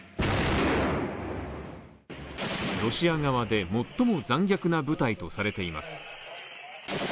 ロシア側で最も残虐な部隊とされています。